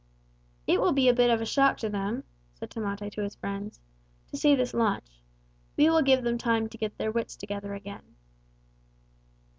"It will be a bit of a shock to them," said Tamate to his friends, "to see this launch. We will give them time to get their wits together again."